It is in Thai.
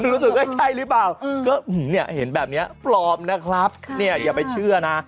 รู้สึกว่าใช่หรือเปล่าก็เห็นแบบนี้พร้อมนะครับอย่าไปเชื่อนะ